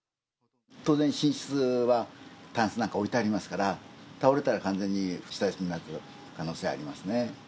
当然、寝室はタンスなんか置いてありますから、倒れたら、完全に下敷きになってた可能性ありますね。